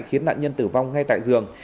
khiến nạn nhân tử vong ngay tại giường